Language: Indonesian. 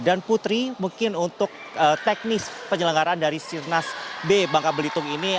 dan putri mungkin untuk teknis penyelenggaran dari sirnas b bangka belitung ini